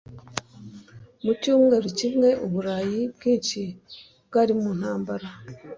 Mu cyumweru kimwe, Uburayi bwinshi bwari mu ntambara. (